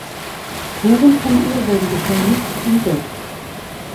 Spuren von ihr wurden bisher nicht entdeckt.